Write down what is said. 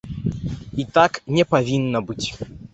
І так не павінна быць.